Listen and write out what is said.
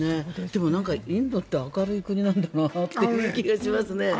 でも、インドって明るい国なんだなって気がします。